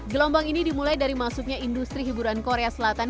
gelombang ini dimulai dari masuknya industri hiburan korea selatan